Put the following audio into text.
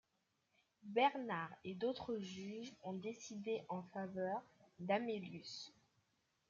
Bernard et d’autres juges ont décidé en faveur d’Amelius.